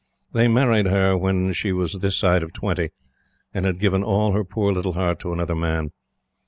They married her when she was this side of twenty and had given all her poor little heart to another man.